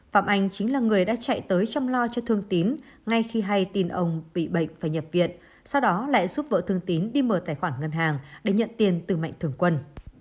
phạm anh chính là người đã chạy tới chăm lo cho thương tín ngay khi hay tin ông bị bệnh phải nhập viện sau đó lại giúp vợ thương tín đi mở tài khoản ngân hàng để nhận tiền từ mạnh thường quân